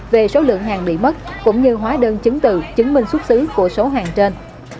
về số lượng hàng bị mất cũng như hóa đơn chứng từ chứng minh xuất xứ của số hàng trên